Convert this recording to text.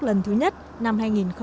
lần thứ nhất năm hai nghìn một mươi bảy